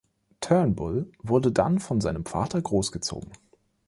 Turnbull wurde dann von seinem Vater großgezogen.